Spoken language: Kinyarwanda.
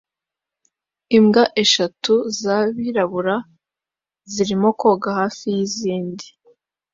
Imbwa eshatu zabirabura zirimo koga hafi yizindi